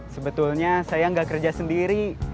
sebetulnya saya nggak kerja sendiri